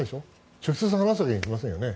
直接話すわけにはいかないですよね。